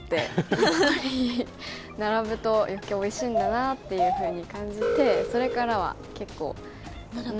やっぱり並ぶと余計おいしいんだなっていうふうに感じてそれからは結構うん。